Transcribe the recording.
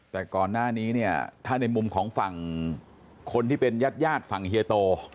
แต่ก่อนหน้านี้เนี่ยถ้าในมุมของฝั่งคนที่เป็นญาติฝั่งเฮียโต